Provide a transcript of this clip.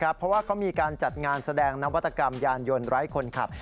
เพราะว่าเขามีการจัดงานแสดงนวัตกรรมยานยนต์ไร้คนขับ